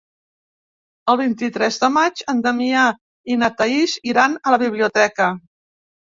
El vint-i-tres de maig en Damià i na Thaís iran a la biblioteca.